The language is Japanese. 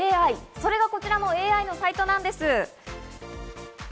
それがこちらのＡＩのサイトです。